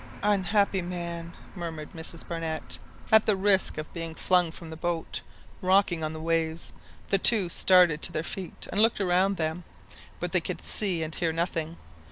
"Unhappy man !" murmured Mrs Barnett; and at the risk of being flung from the boat rocking on the waves, the two started to their feet and looked around them. But they could see and hear nothing.